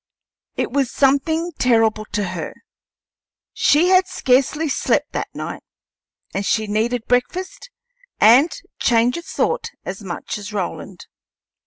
It was something terrible to her; she had scarcely slept that night, and she needed breakfast and change of thought as much as Roland.